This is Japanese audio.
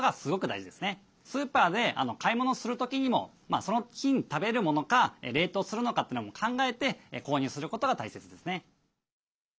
スーパーで買い物する時にもその日に食べるものか冷凍するのかというのを考えて購入することが大切ですね。